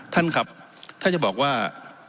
ท่านครับถ้าจะบอกว่า